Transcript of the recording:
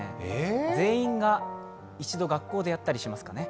全員が一度学校でやったりしますかね。